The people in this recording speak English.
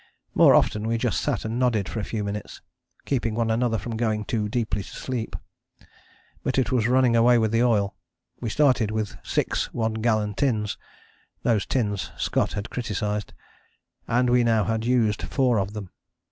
More often we just sat and nodded for a few minutes, keeping one another from going too deeply to sleep. But it was running away with the oil. We started with 6 one gallon tins (those tins Scott had criticized), and we had now used four of them.